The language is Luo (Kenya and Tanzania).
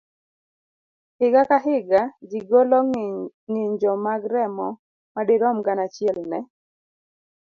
Higa ka higa, ji golo ng'injo mag remo madirom gana achiel ne